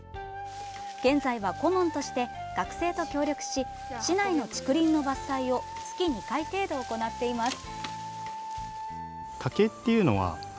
現在は顧問として学生と協力し市内の竹林の伐採を月２回程度、行っています。